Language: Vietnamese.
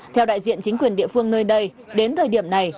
theo đại diện chính quyền địa phương nơi đây đến thời điểm này